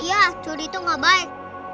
iya curi itu gak baik